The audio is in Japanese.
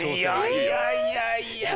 いやいやいやいや。